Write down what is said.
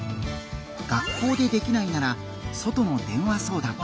学校でできないなら外の電話相談。